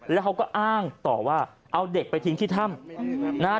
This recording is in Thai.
แล้วเขาก็อ้างต่อว่าเอาเด็กไปทิ้งที่ถ้ำนะฮะ